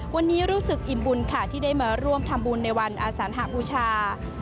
วันนี้รู้สึกอิ่มบุญค่ะที่ได้มาร่วมทำบุญในวันอาสานหบูชา